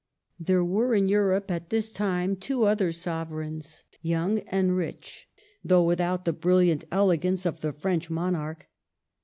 There were in Europe at this time two other sovereigns, young and rich, though without the brilliant elegance of the French monarch.